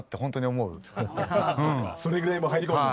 それぐらいもう入り込んで。